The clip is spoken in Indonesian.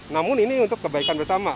namun ini untuk kebaikan bersama